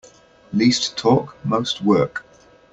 Least talk most work.